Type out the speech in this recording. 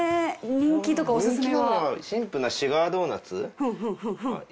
人気なのはシンプルなシュガードーナツ。